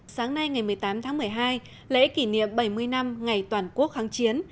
sáng nay ngày một mươi tám tháng một mươi hai lễ kỷ niệm bảy mươi năm ngày toàn quốc kháng chiến